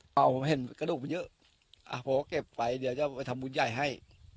ก็เอาเพื่องเดี๋ยวเอาไปเก็บไปเดี๋ยวจะไปทำบุญใหญ่ให้